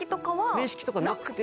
面識とかなくて。